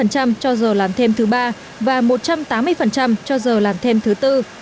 một trăm sáu mươi năm cho giờ làm thêm thứ ba và một trăm tám mươi cho giờ làm thêm thứ bốn